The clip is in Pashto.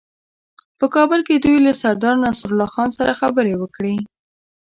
په کابل کې دوی له سردارنصرالله خان سره خبرې وکړې.